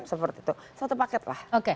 satu paket lah